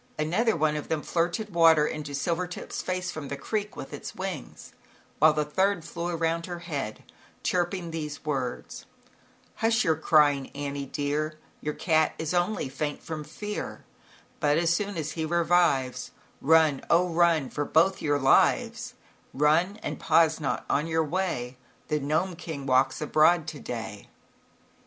Another one of them flirted water into Silvertip's face from the creek with its wings, while the third flew around her head, chirping these words: u Hush your crying Annie dear, Your cat is only faint from fear, But as soon as he revives, Run, oh run, for both your lives, Run, and pause not on your way. The Gnome King walks abroad to day."